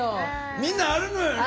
みんなあるのよね。